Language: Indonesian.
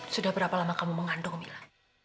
sudah berapa lama kamu mengandung mila